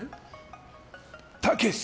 たけし！